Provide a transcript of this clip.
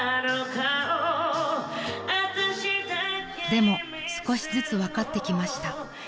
［でも少しずつ分かってきました］